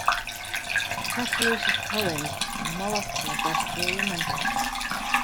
Catullus's poems are more often addressed to a woman.